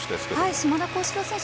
島田高志郎選手